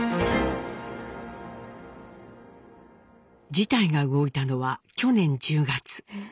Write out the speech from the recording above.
事態が動いたのは去年１０月。